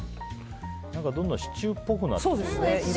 何かどんどんシチューっぽくなってる。